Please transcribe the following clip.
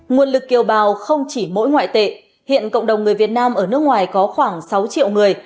nguồn lực kiều bào không chỉ mỗi ngoại tệ hiện cộng đồng người việt nam ở nước ngoài có khoảng sáu triệu người